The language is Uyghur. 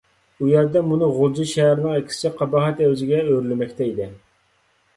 ئۇ يەردە مۇنۇ غۇلجا شەھىرىنىڭ ئەكسىچە قاباھەت ئەۋجىگە ئۆرلىمەكتە ئىدى.